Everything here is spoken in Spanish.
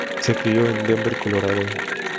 Se crio en Denver, Colorado.